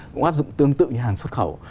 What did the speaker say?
cũng áp dụng tương tự như hàng xuất khẩu